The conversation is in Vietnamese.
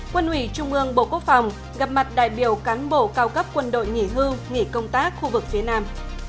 quân ủy trung ương bộ quốc phòng gặp mặt đại biểu cán bộ cao cấp quân đội nghỉ hưu nghỉ công tác khu vực phía nam